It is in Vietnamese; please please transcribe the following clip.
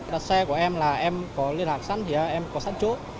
đặt xe của em là em có liên lạc sẵn thì em có sẵn chỗ